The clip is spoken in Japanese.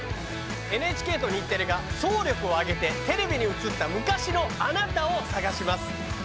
ＮＨＫと日テレが総力を挙げてテレビに映った昔のあなたを探します。